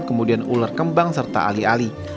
kemudian ular kembang serta ali ali